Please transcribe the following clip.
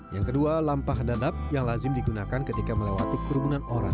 yang kedua lampa dandap yang lazim digunakan ketika melewati kerumunan orang